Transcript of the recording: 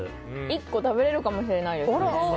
１個食べられるかもしれないです。